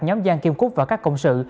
nhóm giang kim cúc và các công sự